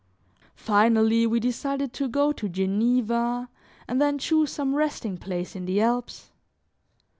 Finally, we decided to go to Geneva and then choose some resting place in the Alps.